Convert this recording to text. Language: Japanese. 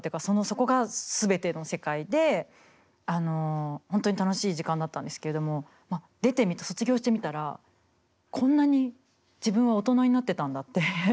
そこが全ての世界で本当に楽しい時間だったんですけれども出てみて卒業してみたらこんなに自分は大人になってたんだって。